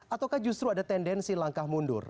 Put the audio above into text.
ataukah justru ada tendensi langkah mundur